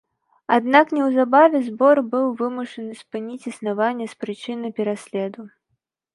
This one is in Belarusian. Аднак неўзабаве збор быў вымушаны спыніць існаванне з прычыны пераследу.